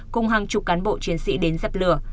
cùng hàng chục cán bộ chiến sĩ đến dập lửa